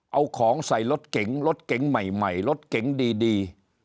เอาของใส่รถเก๋งรถเก๋งใหม่รถเก๋งดี